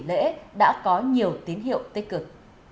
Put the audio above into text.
lễ đã có nhiều tín hiệu tích cực